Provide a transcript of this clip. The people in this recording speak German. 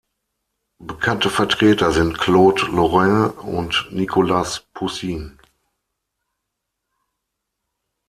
Bekannte Vertreter sind Claude Lorrain und Nicolas Poussin.